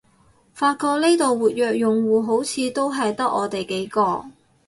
發覺呢度活躍用戶好似都係得我哋幾個